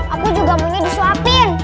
aku juga maunya disuapin